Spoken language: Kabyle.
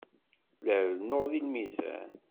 La rennuɣ deg lmizan.